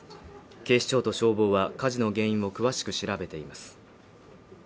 警視庁と消防は火事の原因を詳しく調べています